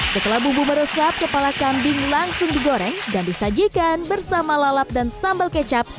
setelah bumbu meresap kepala kambing langsung digoreng dan disajikan bersama lalap dan sambal kecap